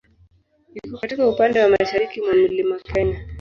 Iko katika upande wa mashariki mwa Mlima Kenya.